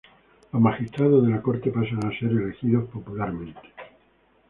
Los Magistrados de la Corte pasan a ser elegidos popularmente.